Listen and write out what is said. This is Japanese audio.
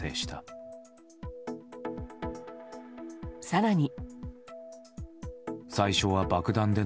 更に。